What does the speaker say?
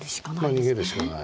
まあ逃げるしかない。